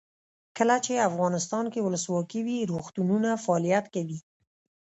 کله چې افغانستان کې ولسواکي وي روغتونونه فعالیت کوي.